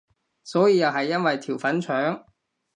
所以又係因為條粉腸？